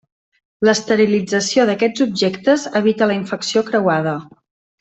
L'esterilització d'aquests d'objectes evita la infecció creuada.